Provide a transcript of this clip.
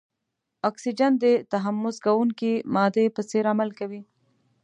اکسیجن د تحمض کوونکې مادې په څېر عمل کوي.